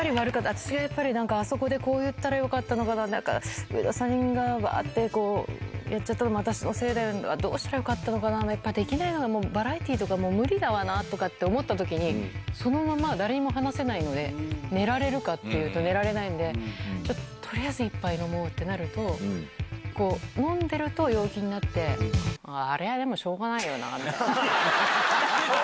私がなんかあそこでこう言ったらよかったのかな、なんか、上田さんがばーって、やっちゃったのも私のせいだ、どうしたらよかったのかな、できないわ、もうバラエティーとかもう無理だわなって思ったときに、そのまま誰にも話せないので、寝られるかっていうと寝られないんで、ちょっと、とりあえず１杯飲もうってなると、こう、飲んでると陽気になって、あれはでもしょうがないよなみたいな。